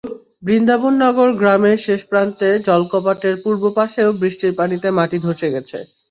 বৃন্দাবননগর গ্রামের শেষ প্রান্তে জলকপাটের পূর্ব পাশেও বৃষ্টির পানিতে মাটি ধসে গেছে।